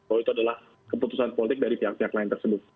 bahwa itu adalah keputusan politik dari pihak pihak lain tersebut